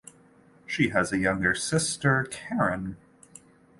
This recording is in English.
She has a younger sister, Karen.